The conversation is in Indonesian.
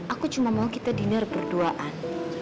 aku cuma mau kita dinner berduaan